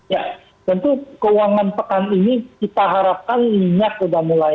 ya tentu keuangan pekan ini kita harapkan minyak sudah mulai